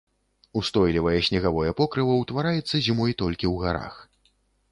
Устойлівае снегавое покрыва ўтвараецца зімой толькі ў гарах.